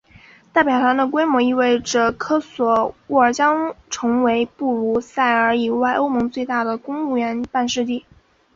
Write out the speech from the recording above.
代表团的规模意味着科索沃将成为布鲁塞尔以外欧盟最大的公务员办事地。